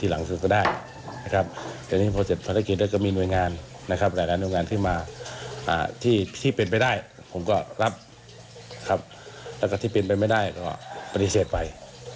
แล้วก็ที่เป็นไปไม่ได้ก็ปฏิเสธไป